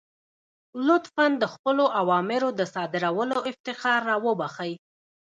لطفا د خپلو اوامرو د صادرولو افتخار را وبخښئ.